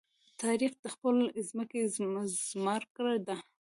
تاریخ د خپلې ځمکې زمکړه ده.